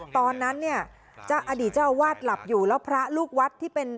ตอนนั้นเนี่ยอดีตเจ้าอาวาสหลับอยู่แล้วพระลูกวัดที่เป็น